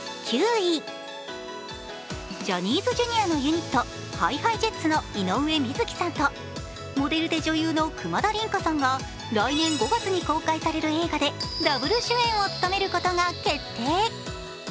ジャニーズＪｒ．のユニットＨｉＨｉＪｅｔｓの井上瑞稀さんとモデルで女優の久間田琳加さんが来年５月に公開される映画でダブル主演を務めることが決定。